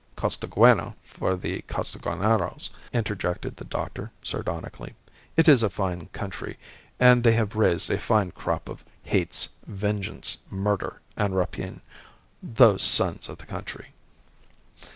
"Costaguana for the Costaguaneros," interjected the doctor, sardonically. "It is a fine country, and they have raised a fine crop of hates, vengeance, murder, and rapine those sons of the country."